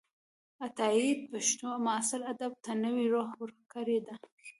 عطاييد پښتو معاصر ادب ته نوې روح ورکړې ده.